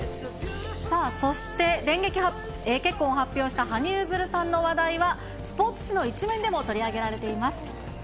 さあ、そして電撃結婚を発表した羽生結弦さんの話題は、スポーツ紙の１面でも取り上げられています。